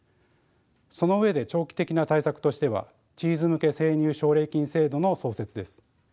その上で長期的な対策としてはチーズ向け生乳奨励金制度の創設です。